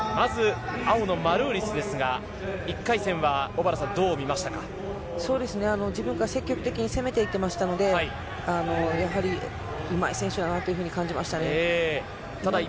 まず青のマルーリスですが、１回戦は自分が積極的に攻めていっていましたのでうまい選手だなというふうに感じました。